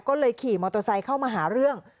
ก็เลยขี่มอเตอร์ไซค์เข้ามาหาเรื่อง